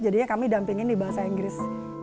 jadinya kami dampingin di bahasa inggris